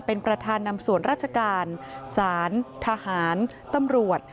เป็นประธานนำส่วนราชการสารทหารตำรวจ